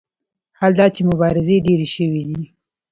حال دا چې مبارزې ډېرې شوې دي.